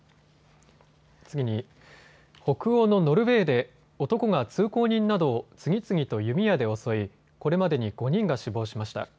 北欧のノルウェーで男が通行人などを次々と弓矢で襲いこれまでに５人が死亡しました。